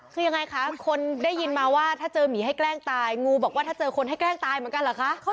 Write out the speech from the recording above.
คือยังไงคะคนได้ยินมาว่าถ้าเจอหมีให้แกล้งตายงูบอกว่าถ้าเจอคนให้แกล้งตายเหมือนกันเหรอคะ